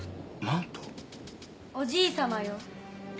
おじいさまよ。